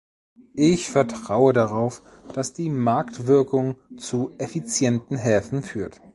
Ich vertraue darauf, dass die Marktwirkung zu effizienten Häfen führt.